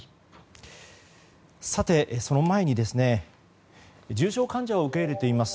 その前に重症患者を受け入れています